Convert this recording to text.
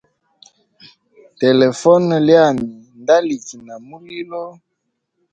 Telefone lyami nda liki na mulilo.